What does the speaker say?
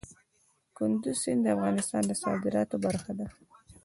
کندز سیند د افغانستان د صادراتو برخه ده.